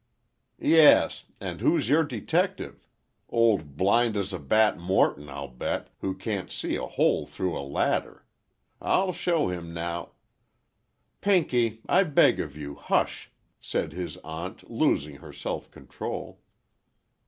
"Yes—and who's your detective? Old blind as a bat Morton, I'll bet, who can't see a hole through a ladder! I'll show him now—" "Pinky, I beg of you, hush," said his Aunt, losing her self control.